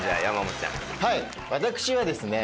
私はですね